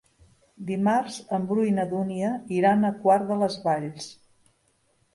Dimarts en Bru i na Dúnia iran a Quart de les Valls.